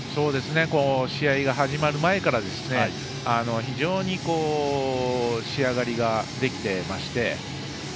試合が始まる前から非常に仕上がりができていまして。